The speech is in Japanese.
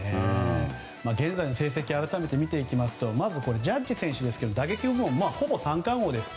現在の成績を改めて見ていきますとまず、ジャッジ選手、打撃はほぼ三冠王です。